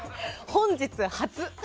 本日初。